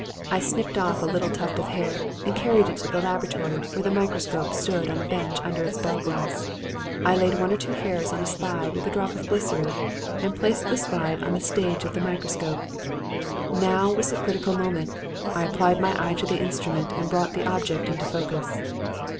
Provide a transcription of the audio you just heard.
I snipped off a little tuft of hair and carried it to the laboratory where the microscope stood on the bench under its bell glass. I laid one or two hairs on a slide with a drop of glycerine and placed the slide on the stage of the microscope. Now was the critical moment. I applied my eye to the instrument and brought the objective into focus.